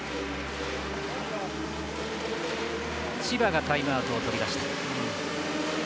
千葉がタイムアウトをとりました。